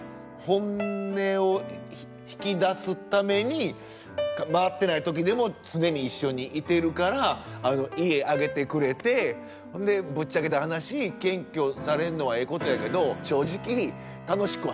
本音を引き出すために回ってない時でも常に一緒にいてるから家上げてくれてほんでぶっちゃけた話検挙されんのはええことやけど正直楽しくはないと。